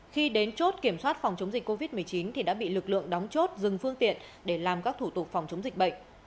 khi đến chốt kiểm soát phòng chống dịch covid một mươi chín thì đã bị lực lượng đóng chốt dừng phương tiện để làm các thủ tục phòng chống dịch bệnh